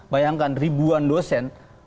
bayangkan ribuan dosen